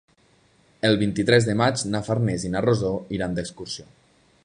El vint-i-tres de maig na Farners i na Rosó iran d'excursió.